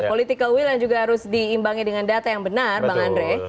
political will yang juga harus diimbangi dengan data yang benar bang andre